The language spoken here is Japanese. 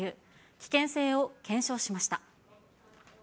危険性を検証しました。